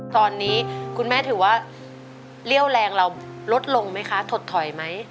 ตอนนี้คุณแม่ถือว่าเรี่ยวแรงเราลดลงไหมคะถดถอยไหม